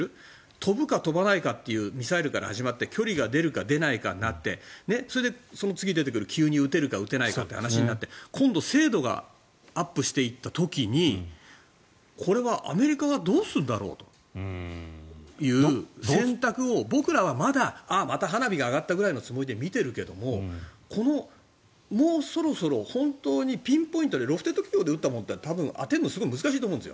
飛ぶか飛ばないかというミサイルから始まって距離が出るか出ないかになってそれで、その次出てくる急に撃てるか撃てないかという話になって今度精度がアップしていった時にこれはアメリカはどうするんだろうという選択を僕らはまた花火が上がったくらいの感覚で見ているけどももうそろそろ本当にピンポイントでロフテッド軌道って当てるの難しいと思うんです。